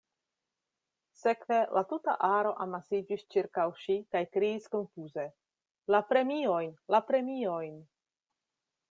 Sekve, la tuta aro amasiĝis ĉirkaŭ ŝi kaj kriis konfuze “La premiojn, la premiojn.”